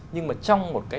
nhưng mà trong một cái